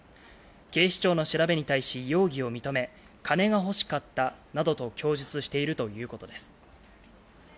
警視庁の調べに対し容疑を認め、金が欲しかったなどと供述しているということです。